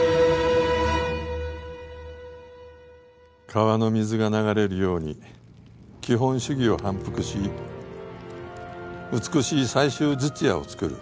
川の水が流れるように基本手技を反復し美しい最終術野を作る。